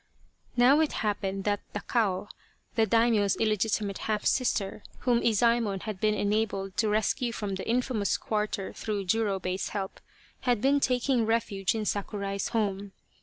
Now it happened that Takao, the Daimio's illegiti mate half sister, whom Izasmon had been enabled to rescue from the infamous quarter through Jurobei's help, had been taking refuge in Sakurai's home.